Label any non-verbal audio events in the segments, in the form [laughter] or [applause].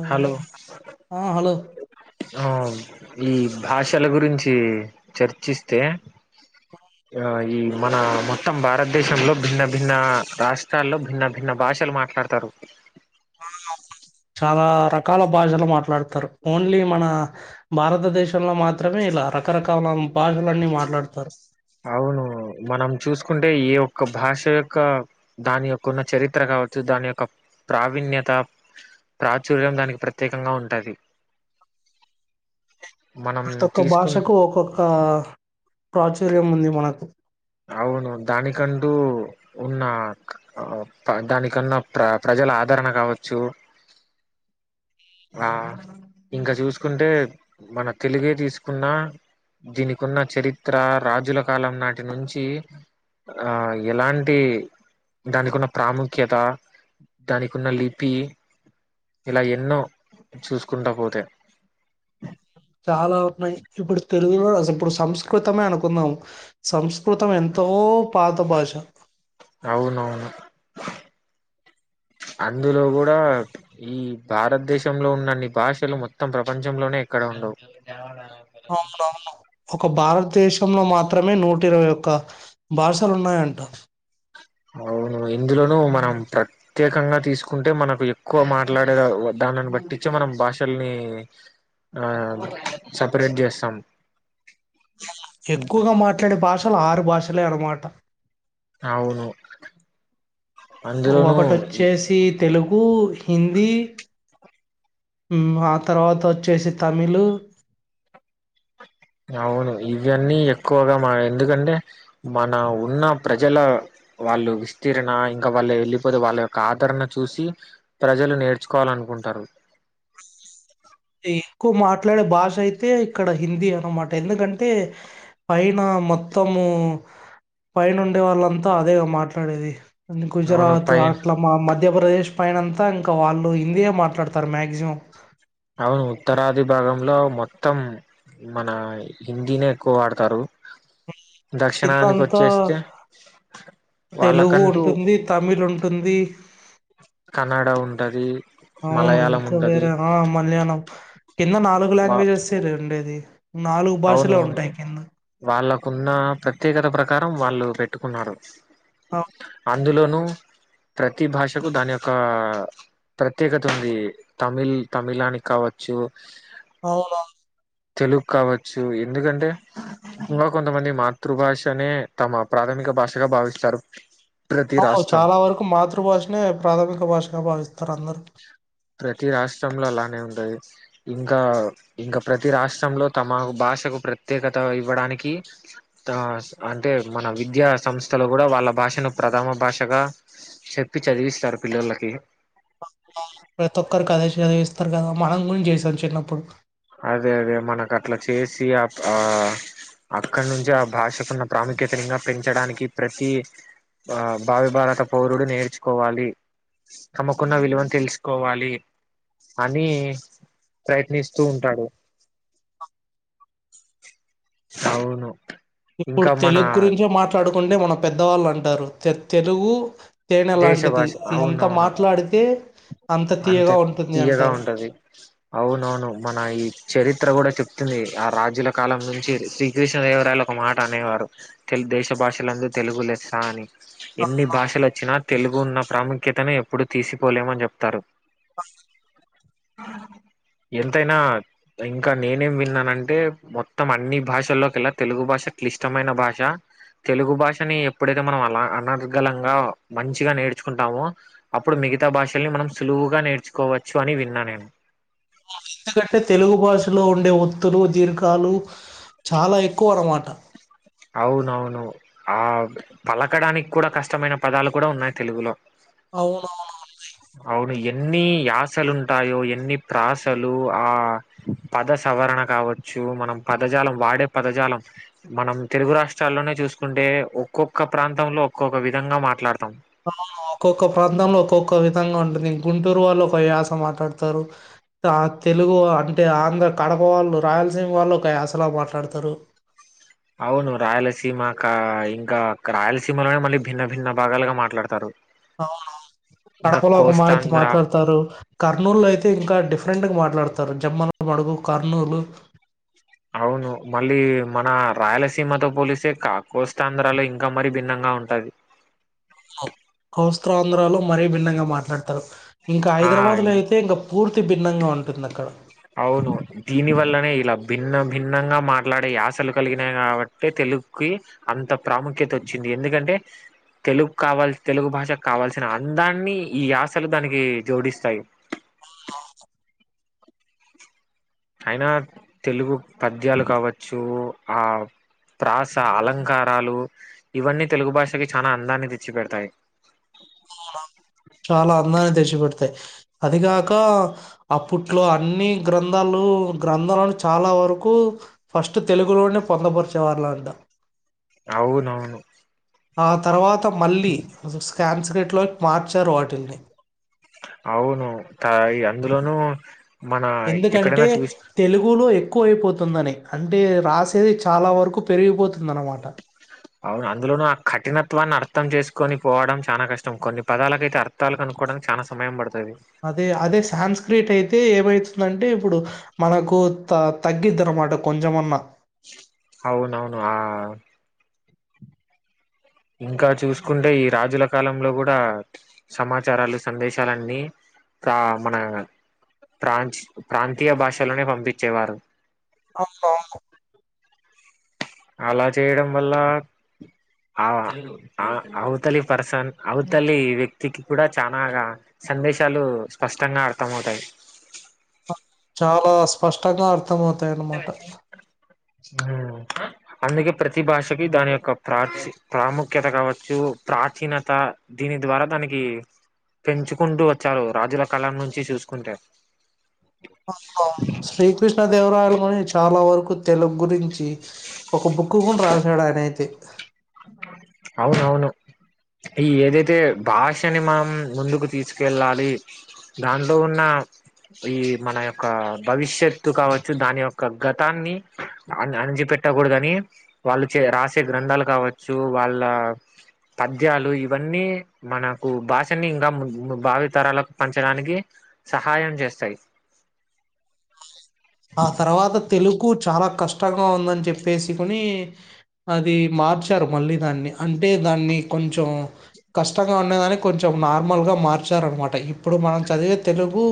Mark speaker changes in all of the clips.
Speaker 1: ఆ
Speaker 2: హలో
Speaker 1: ఆ హలో
Speaker 2: ఆ ఈ భాషల గురించి చర్చిస్తే, య ఈ మన మొత్తం భారతదేశంలో, భిన్న భిన్న రాష్ట్రాల్లో, భిన్న భిన్న భాషలు మాట్లాడతారు.
Speaker 1: చాలా రకాల భాషలు మాట్లాడతారు. ఓన్లీ మన భారతదేశంలో మాత్రమే, ఇలా రకరకాల భాషలన్నీ మాట్లాడతారు.
Speaker 2: అవును. మనం చూసుకుంటే, ఏ ఒక్క భాష యొక్క దాని యొక్క ఉన్న చరిత్ర కావచ్చు. దాని యొక్క ప్రావీణ్యత, ప్రాచుర్యం దానికి ప్రత్యేకంగా ఉంటది. మనం
Speaker 1: ప్రతొక్క
Speaker 2: తీసుకు
Speaker 1: భాషకు ఒక్కొక్క ప్రాచీ ర్యం ఉంది మనకు
Speaker 2: అవును దానికంటూ ఉన్న, దానికన్నా ప్ర ప్రజల ఆదరణ కావచ్చు. ఆ ఇంక చూసుకుంటే, మన తెలుగే తీసుకున్న దీనికున్న చరిత్ర రాజుల కాలం నాటి ఇక నుంచి, ఆ ఎలాంటి దానికున్న ప్రాముఖ్యత, దానికున్న లిపి, ఇలా ఎన్నో చూసుకుంటా పోతే,
Speaker 1: చాలా ఇప్పుడు తెలుగులో, ఇప్పుడు సంస్కృతమే అనుకుందాం. సంస్ సంస్కృతం ఎంతో పాత భాష.
Speaker 2: అవునవును. అందులో కూడా ఈ భారతదేశంలో ఉన్నన్ని భాషలు మొత్తం ప్రపంచంలోనే, ఎక్కడ ఉండవు.
Speaker 1: అవునవును ఒక భారతదేశంలో మాత్రమే, నూట ఇరవై ఒక్క భాషలు ఉన్నాయంట.
Speaker 2: అవును ఇందులోను మనం ప్రత్యేకంగా తీసుకుంటే మనకు ఎక్కువ మాట్లాడే దానని బట్టించే మనం భాషల్ని ఆ సపరేట్ చేస్తాం
Speaker 1: ఎక్కువగా మాట్లాడే భాషలు ఆరు భాష్ లే అనుమాటా
Speaker 2: అవును, అందులోనూ ఇ
Speaker 1: ఊ హిందీ ఆ హుమ్ తరవాత వచ్చేసి తమిలు
Speaker 2: అవును ఇవన్నీ ఎక్కువగా మ ఎందుకంటే మన ఉన్న ప్రజల వాళ్ళు విస్తీర్ణ ఇంకా వాళ్ళు వెళ్ళిపోతే వాళ్ళ యొక్క ఆదరణ చూసి ప్రజలు నేర్చుకోవాలనుకుంటారు
Speaker 1: ఎక్కువ మాట్లాడే భాష అయితే ఇక్కడ హిందీ అనమాట ఎందుకంటే పైన మొత్తము పైన ఉండే వాళ్ళంతా అదేగ మాట్లాడేది అంటే
Speaker 2: అవును
Speaker 1: గుజరాత్
Speaker 2: పై
Speaker 1: అట్లా మా మధ్యప్రదేశ్ పైనంతా ఇంకా వాళ్ళు హిందీయే మాట్లాడతారు మాక్సిమం
Speaker 2: అవును ఉత్తరాది భాగంలో మొత్తం మన హిందీనే ఎక్కువ వాడతారు దక్షిణానికి
Speaker 1: కిందంతా
Speaker 2: వచ్చేస్తే
Speaker 1: తెలుగు
Speaker 2: వాళ్ళకంటూ
Speaker 1: ఉంటుంది తమిళు ఉంటుంది
Speaker 2: కన్నడ ఉంటది
Speaker 1: అవును
Speaker 2: మలయాళం
Speaker 1: ఇంకా
Speaker 2: ఉంటది
Speaker 1: వేరే ఆ మల్యాళం కింద నాలుగు
Speaker 2: వా
Speaker 1: లాంగ్వేజస్సే రెన్ ఉండేది నాలుగు భాషలే ఉంటాయి కింద
Speaker 2: ఉన్నా ప్రత్యేకత ప్రకారం వాళ్ళు పెట్టుకున్నారు
Speaker 1: ఆ
Speaker 2: అందులోనూ ప్రతి భాషకు దాని యొక్క ప్రత్యేకత ఉంది తమిళ్ తమిళానికి కావచ్చు
Speaker 1: అవునా
Speaker 2: తెలుగు కావ సో ఎందుకంటే ఇంకా కొంతమంది మాతృభాషనే తమ ప్రాథమిక భాషగా భావిస్తారు ప్రతి
Speaker 1: అవును
Speaker 2: రాష్ట్రం
Speaker 1: చాలా వరకు మాతృభాషనే ప్రాథమిక భాషగా భావిస్ స్తరు అందరు
Speaker 2: ప్రతి రాష్ట్రంలో అలానే ఉండది ఇంకా ఇంకా ప్రతి రాష్ట్రంలో తమ భాషకు ప్రత్యేకత ఇవ్వడానికి దా అంటే మన విద్యా సంస్థలు కూడా వాళ్ళ భాషను ప్రధాన భాషగా చెప్పి చదివిస్తారు పిల్లలకి
Speaker 1: ప్రతి ఒక్కరు కదా చదివిస్తారు కదా మనం గుడ చేసాం చిన్నప్పుడు
Speaker 2: అదే అదే మనకు అట్లా చేసి ఆ ఆ అక్కడ నుంచి ఆ భాషకున్న ప్రాముఖ్యతను పెంచడానికి ప్రతి ఆ భావి భారత పౌరుడు నేర్చుకోవాలి తమకున్న విలువను తెలుసుకోవాలి అని ప్రయత్నిస్ తూ ఉంటాడు అవును
Speaker 1: ఇప్పుడు
Speaker 2: ఇంకా మన
Speaker 1: తెలుగు గురించే మాట్లాడు ముందే మన పెద్దవాళ్ళు అంటారు తె తెలుగు తేనె
Speaker 2: దేశ
Speaker 1: లాంటిది.
Speaker 2: భాష
Speaker 1: ఎంత
Speaker 2: అవునవును
Speaker 1: మాట్లాడితే
Speaker 2: అంత
Speaker 1: తీయగా ఉంటుంది
Speaker 2: తీయగా
Speaker 1: అంటారు.
Speaker 2: ఉంటది అవునవును మన ఈ చరిత్ర కూడా చెప్ స్తది ఆ రాజ్యుల కాలం నుంచి శ్రీకృష్ణదేవరాయలు ఒక మాట అనేవారు తెలు దేశ భాషలందు తెలుగు లెస్స అని ఎన్ని
Speaker 1: అవునవును.
Speaker 2: భాషల తెలుగు ఉన్న ప్రాముఖ్యతని ఎప్పుడు తీసిపోలేమని చెప్తారు ఎంతైనా ఇంకా నేనేం విన్నానంటే మొత్తం అన్ని భాషల్లోకెల్ల తెలుగు భాష క్లిష్టమైన భాష తెలుగు భాషని ఎప్పుడైతే మనం అన అనర్గలంగా మంచిగా నేర్చుకుంటామొ అప్పుడు మిగతా భాషల్ని మనం సులువుగా నేర్చుకోవచ్చు అని విన్నా నేను
Speaker 1: ఎందుకంటే తెలుగు భాషలో ఉండే ఒత్తులు దీర్ఘాలు చాలా ఎక్కువ అనమాట
Speaker 2: అవునవును ఆ పలకడానికి కూడా కష్టమైన పదాలు కూడా ఉన్నాయి తెలుగులో
Speaker 1: అవునవును.
Speaker 2: అవును ఎన్ని యాసలుంటాయో ఎన్ని ప్రాసలు ఆ పద సవరణ కావచ్చు మనం పదజాలం వాడే పదజాలం మనం తెలుగు రాష్ట్రాల్లోనే చూసుకుంటే ఒక్కొక్క ప్రాంతంలో ఒక్కొక్క విధంగా మాట్లాడతాం
Speaker 1: అవును ఒక్కొక్క ప్రాంతంలో ఒక్కొక్క విధంగా ఉంటుంది గుంటూరు వాళ్ళు ఒక యాస మాట్లాడతారు ఆ తెలుగు అంటే ఆంధ్ర కడప వాళ్ళు రాయలసీమ వాళ్ళు ఒక యాసలా మాట్లాడతారు
Speaker 2: అవును రాయలసీమ కా ఇంకా రాయలసీమలోనే మళ్ళీ భిన్న భిన్న భాగాలుగా మాట్లాడతారు
Speaker 1: అవునవును
Speaker 2: ఇంకా
Speaker 1: కడపలో ఒక మాతిరి
Speaker 2: కోస్తాంధ్ర
Speaker 1: మాట్లాడతారు కర్నూలు లో అయితే ఇంకా డిఫరెంట్ గా మాట్లా మాట్లాడతారు జమ్మలమడుగు కర్నూలు
Speaker 2: అవును మళ్ళీ మన రాయలసీమతో పోలిస్తే కా కోస్తాంధ్రలో ఇంకా మరీ భిన్నంగా ఉంటది
Speaker 1: కోస్త్రాంధ్రలో మరీ భిన్నంగా మాట్లాడతారు ఇంకా
Speaker 2: ఆ
Speaker 1: హైదరాబాద్ లో అయితే ఇంగ పూర్తి భిన్నంగా ఉంటుంది అక్కడ
Speaker 2: అవును దీని వల్లనే ఇలా భిన్న భిన్నంగా మాట్లాడే యాసలు కలిగినాయి కాబట్టి తెలుగుకి అంత ప్రాముఖ్యత వచ్చింది ఎందుకంటే తెలుగు కావాలి తెలుగు భాష కావాల్సిన అందాన్ని ఈ యాసలు దానికి జోడిస్తాయి అయినా తెలుగు పద్యాలు కావచ్చు ఆ ప్రాస అలంకారాలు ఇవన్నీ తెలుగు భాషకి చానా అందాన్ని తెచ్చిపెడతాయి
Speaker 1: త్ అదిగాక అప్పుట్లో అన్ని గ్రంధాలు గ్రంధాలను చాలా వరకు ఫస్ట్ తెలుగులోనే పొందపరిచే వాళ్ళంట
Speaker 2: అవునవును
Speaker 1: ఆ తర్వాత మొత్తం మళ్లీ ఉస సాన్స్క్రిట్ లో క్లోట్ పాట్ ఇచ్చారు వాటిల్ని
Speaker 2: అవును త ఈ అందులోనూ మన
Speaker 1: ఎందుకంటే
Speaker 2: ఎక్కడైనా చూస్
Speaker 1: తెలుగులో ఎ ఎక్కువ అయిపోతుందని అంటే రాసేది చాలా వరకు పెరిగిపోతుంది అన్నమాట
Speaker 2: అవును అందులోను ఆ ఖఠినత్వాన్ని అర్థం చేసుకోని పోవడం చాలా కష్టం కొన్ని పదాలకైతే అర్థాలు కనుక్కోవడానికి చాలా సమయం పడు
Speaker 1: అదే అదే సాన్స్ క్రియేట్ అయితే ఏమైతుందంటే ఇప్పుడు మనకు త తగ్గిద్ది అన్నమాట కొంచమన్నా
Speaker 2: అవునవును ఆ ఇంకా చూసుకుంటే ఈ రాజుల కాలంలో కూడా సమాచారాలు సందేశాలన్నీ ప్ర మన ప్రాంచ్ ప్రాంతీయ భాషలోనే పంపించేవారు
Speaker 1: [unintelligible]
Speaker 2: అలా చేయడం వల్ల ఆ ఆ అవతలి పర్సన్ అవతలి వ్యక్తికి కూడా చానాగా సందేశాలు స్పష్టంగా అర్థంమవుతాయి
Speaker 1: చాలా స్పష్టంగా అర్థమవుతాయనమాట
Speaker 2: అందుకే ప్రతి భాషకి దాని యొక్క ప్రాచి ప్రాముఖ్యత కావచ్చు ప్రాచీనత దీని ద్వారా దానికి పెంచుకుంటూ వచ్చారు రాజుల కాలం నుంచి చూసుకుంటే
Speaker 1: ఓ శ్రీకృష్ణదేవ [unintelligible] అనేది చాలా వరకు తెలుగు గురించి ఒక బుక్ కూడా రాసాడు ఆయనైతే
Speaker 2: అవునవును ఈ ఏదైతే భాషని మనం ముందుకు తీసుకెళ్ళాలి దాంట్లో ఉన్న ఈ మన యొక్క భవిష్యత్తు కావచ్చు దాని యొక్క గతాన్ని అణిచిపెట్టకూడదని వాళ్ళు చే రాసే గ్రంథాలు కావచ్చు వాళ్ళు ఆ పద్యాలు ఇవన్నీ మనకు భాషని ఇంకా ము భావితరాలకు పంచడానికి సహాయం చేస్తాయి
Speaker 1: ఆ తర్వాత తెలుగు చాలా కష్టంగా ఉందని చెప్పేసుకుని అది మార్చారు మళ్ళీ దాన్ని అంటే దాన్ని కొంచెం కష్టంగా ఉండదని కొంచెం నార్మల్గా మార్చారన్నమాట ఇప్పుడు మనం చదివే తెలుగు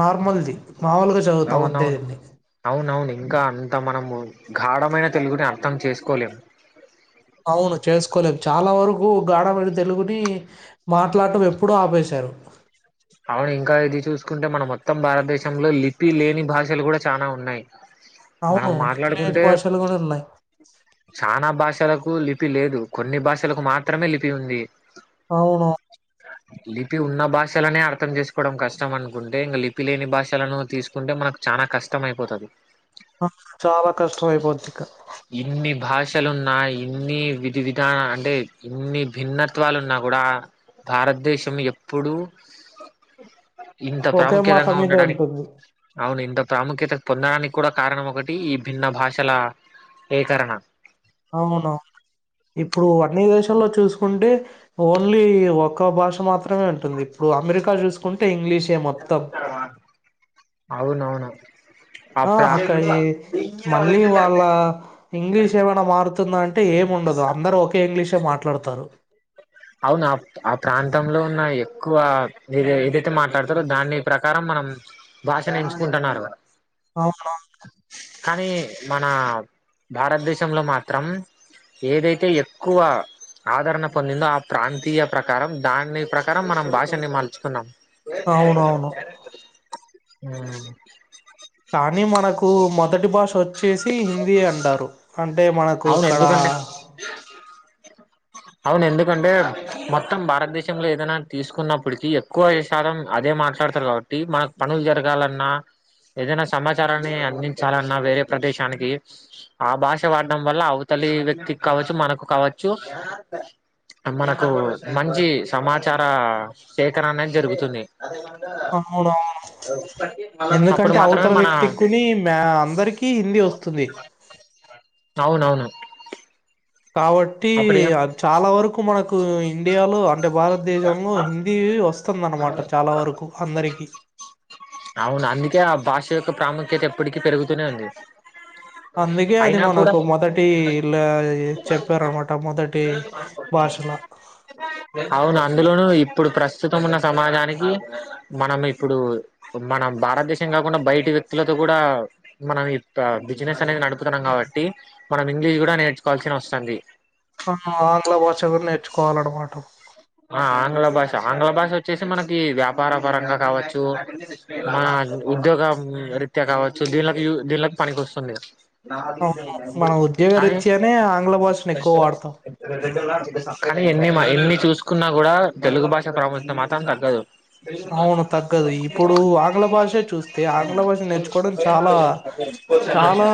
Speaker 1: నార్మల్ది మాములుగా చదువుతామని
Speaker 2: అవును, అవునవును ఇంకా అంతా మనము ఘఢమైన తెలుగుని అర్థం చేసుకోలేం.
Speaker 1: అవును చేసుకోలేము. చాలా వరకు గాడమైన తెలుగుని మాట్లాడటం ఎప్పుడో ఆపేశారు.
Speaker 2: అవును ఇంకా ఇది చూసుకుంటే మన మొత్తం భారతదేశంలో లిపి లేని భాషలు కూడా చనా ఉన్నాయి. మనం
Speaker 1: అవును లిపిలేని
Speaker 2: మాట్లాడుకుంటే
Speaker 1: భాషలు కూడా ఉన్నాయి
Speaker 2: చనా భాషలకు లిపి లేదు. కొన్ని భాషలకు మాత్రమే లిపి ఉంది.
Speaker 1: అవును
Speaker 2: లిపి ఉన్న భాషలనేడ్ అర్థం చేసుకోవడం కష్టం అనుకుంటే ఇంకా లిపి లేని భాషలను తీసుకుంటే మనకు చానా కష్టం అయిపోతది.
Speaker 1: ఆ చాలా కష్టం అయిపోద్ది ఇక
Speaker 2: క్షలున్నా ఇన్ని విధి విధానా అంటే ఇన్ని భిన్నత్వాలున్నా కూడా భారతదేశం ఎప్పుడూ ఉ హ్ ఇంత
Speaker 1: ఒకే మాట
Speaker 2: ప్రాముఖ్యతంగా
Speaker 1: మీదే
Speaker 2: ఉండడానిక్.
Speaker 1: ఉంటుంది
Speaker 2: అవును ఇంత ప్రాముఖ్యత పొందడానికి కూడా కారణం ఒకటి ఈ భిన్న భాషల ఏకరణ.
Speaker 1: అవునవును ఇప్పుడు అన్ని దేశాల్లో చూసుకుంటే ఓన్లీ ఒక్క భాష మాత్రమే ఉంటుంది. ఇప్పుడు అమెరికా చూసుకుంటే ఇంగ్లీష్
Speaker 2: అవునవును.
Speaker 1: ఆ అక్కడి మళ్ళీ వాళ్ళ ఇంగ్లీష్ ఏమైనా మారుతుంద అంటే ఏం ఉండదు. అందరు ఒకే ఇంగ్లీషే మాట్లాడతారు.
Speaker 2: అవును ఆ ఆ ప్రాంతంలో ఉన్న ఎక్కువ ఏ ఏదైతే మాట్లాడతారో దాని ప్రకారం మనం భాషను ఎంచుకుంటున్నారు.
Speaker 1: అవునవును
Speaker 2: కానీ మన భారతదేశంలో మాత్రం ఏదైతే ఎక్కువ ఆదరణ పొందిందో ఆ ప్రాంతీయ ప్రకారం దాని ప్రకారం మనం భాషని మలుచుకున్నాం. ఏ క్యారెట్,
Speaker 1: అవునవును
Speaker 2: క్యారెక్టరు హా
Speaker 1: తా నీ మనకు మొదటి భాష వ చ్చేసి హిందీ అంటారు. అం అంటే మనకు
Speaker 2: అవును
Speaker 1: ఇక్కడ
Speaker 2: ఎందుకంటే అవును ఎందుకంటే మొత్తం భారతదేశంలో ఏదైనా తీసుకున్నప్పటికీ ఎక్కువ ఏ శాతం అదే మాట్లాడతారు. కాబట్టి మనకు పనులు జరగాలన్నా ఏదైనా సమాచారాన్ని అందించాలన్నా వేరే ప్రదేశానికి ఆ భాష వాన్ డం వల్ల అవతలి వ్యక్తికి కావచ్చు, మనకు కావచ్చు, మనకు మంచి సమాచార సేకరణ అనేది జరుగుతుంది.
Speaker 1: అవునవును
Speaker 2: అప్పుడు
Speaker 1: ఎందుకంటే
Speaker 2: మాత్రమే
Speaker 1: అవతల
Speaker 2: మన
Speaker 1: వ్యక్తికుని మ్య అందరికీ హిందీ వస్తుంది.
Speaker 2: అవునవును
Speaker 1: కాబట్టి
Speaker 2: అప్పుడు ఏం
Speaker 1: ఆ చాలా వరకు మనకు కు ఇండియాలో ఆ అంటే భారతదేశంలో హిందీ వస్తుందన్నమాట చాలా వరకు అందరికీ
Speaker 2: కేక్ ఎప్పటికీ పెరుగుతూనే ఉంది
Speaker 1: అందుకే అది
Speaker 2: అయినా కూడా
Speaker 1: మనకు మొదటిలా చెప్పారనమాట మొదటి భాషల
Speaker 2: అవును అందులోను ఇప్పుడు ప్రస్తుతం ఉన్న సమాజానికి. మనం ఇప్పుడు మనం భారతదేశం కాకుండా బయటి వ్యక్తులతో కూడా మన ఇత బిజినెస్ అనేది నడుపుతున్నాం కాబట్టి, మనం ఇంగ్లీష్ కూడా నేర్చుకోవాల్సిిన వస్తుంది.
Speaker 1: ఆ ఆంగ్ల భాష గుడ్ నేర్చుకోవాలన్నమాట
Speaker 2: ఆ ఆంగ్ల భాష ఆంగ్ల భాష వచ్చేసి మనకి వ్యాపార పరంగా కావచ్చు, మ ఉద్యోగ రీత్యా కావచ్చు, దీనిలోకి దీనిలోకి పనికి వస్తుంది.
Speaker 1: అవును మనం
Speaker 2: అన్
Speaker 1: ఉద్యోగరీత్యానే ఆంగ్ల భాషను ఎక్కువ వాడతాం
Speaker 2: కానీ ఎన్ని మైల్ ని చూస్ కున్నా కూడా తెలుగు భాష ప్రభుత్వం మాత్రం తగ్గదు
Speaker 1: అవును తగ్గదు ఇప్పుడు ఆంగ్ల భాషే చూస్తే ఆంగ్ల భాష నేర్చుకోవడం
Speaker 2: అవునవును
Speaker 1: చాలా చాలా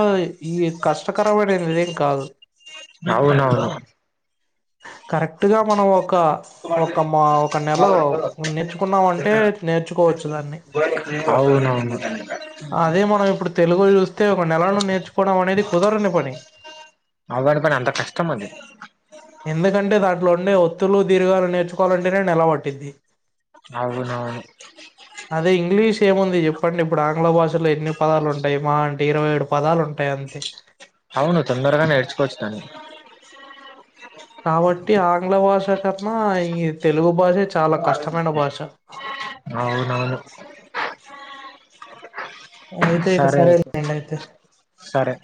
Speaker 1: ఈ కష్టకరమైనదిదేం కాదు. కరెక్ట్ గా మనం ఒక ఒక మా ఒక నెల నేర్చుకున్నామ అంటే నేర్చుకోవచ్చు దాన్ని.
Speaker 2: అవునవును
Speaker 1: అదే మనం ఇప్పుడు తెలుగు చూస్తే ఒ నెలలను నేర్చుకోవడం అనేది కుదరని పని.
Speaker 2: అవ్వని పని అంత కష్టం అది
Speaker 1: ఎందుకంటే దాంట్లో ఉండే ఒత్తులు దీర్ఘాలు నేర్చుకోవాలంటేనే నీలపట్టిద్ది
Speaker 2: అవునవును
Speaker 1: అదే ఇంగ్లీష్ ఏముంది చెప్పండి. ఇప్పుడు ఆంగ్ల భాషలో ఎన్ని పదాలు ఉంటాయి, మా అంటే ఇరవై ఏడు పదాలు ఉంటాయి అంతే.
Speaker 2: అవును తొందరగా నేర్చుకోవచ్చు దాన్ని
Speaker 1: కాబట్టి ఆంగ్ల భాష మా అయితే తెలుగు భాష చాలా కష్టమైన భాష
Speaker 2: అవునవును [inaudible]
Speaker 1: అయితే ఇక సరేండి అయితే
Speaker 2: సరే